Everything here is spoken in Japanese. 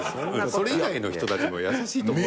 それ以外の人たちも優しいと思う。